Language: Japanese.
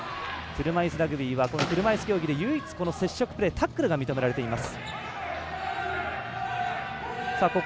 車いすラグビーは車いす競技で、唯一接触プレータックルが認められています。